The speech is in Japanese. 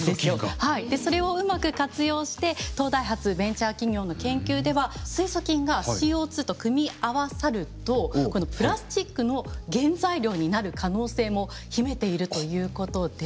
それをうまく活用して東大発ベンチャー企業の研究では水素菌がＣＯと組み合わさるとプラスチックの原材料になる可能性も秘めているということで。